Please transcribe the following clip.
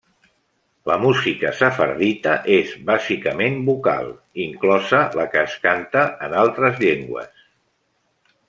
La música sefardita és bàsicament vocal, inclosa la que es canta en altres llengües.